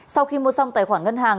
sau khi mua xong tài khoản ngân hàng